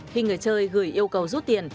khi người chơi gửi yêu cầu rút tiền